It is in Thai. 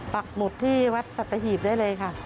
ปักหมุดที่วัดสัตหีบได้เลยค่ะ